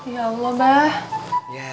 ya allah bang